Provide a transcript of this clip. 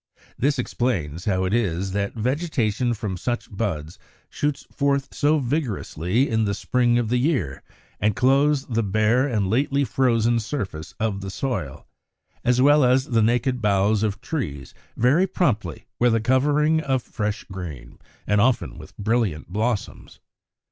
This explains how it is that vegetation from such buds shoots forth so vigorously in the spring of the year, and clothes the bare and lately frozen surface of the soil, as well as the naked boughs of trees, very promptly with a covering of fresh green, and often with brilliant blossoms.